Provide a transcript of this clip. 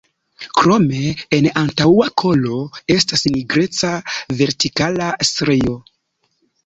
Krome en antaŭa kolo estas nigreca vertikala strio.